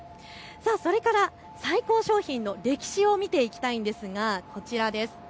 それから最高賞品の歴史を見ていきたいんですけれど、こちらです。